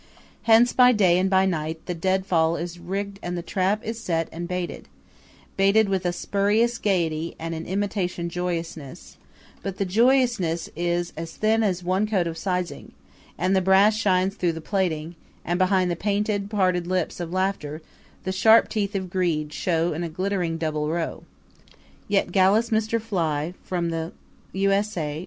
Hence by day and by night the deadfall is rigged and the trap is set and baited baited with a spurious gayety and an imitation joyousness; but the joyousness is as thin as one coat of sizing, and the brass shines through the plating; and behind the painted, parted lips of laughter the sharp teeth of greed show in a glittering double row. Yet gallus Mr. Fly, from the U.S.A.